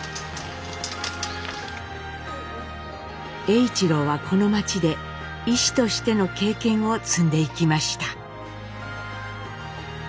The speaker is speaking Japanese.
栄一郎はこの町で医師としての経験を積んでいきました。